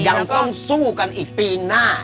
ยังต้องสู้กันอีกปีหน้า